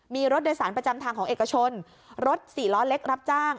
มีรถโดยสารประจำทางของเอกชนรถสี่ล้อเล็กรับจ้าง